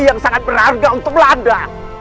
yang sangat berharga untuk belanda